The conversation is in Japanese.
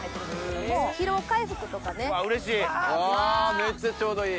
めっちゃちょうどいい！